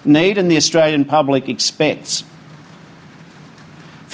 dan orang asuransi publik mengharapkannya